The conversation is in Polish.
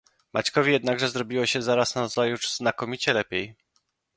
"Maćkowi jednakże zrobiło się zaraz nazajutrz znakomicie lepiej."